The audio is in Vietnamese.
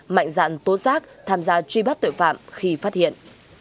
mạnh dạn tố giác tham gia truy bắt tội phạm khi phát hiện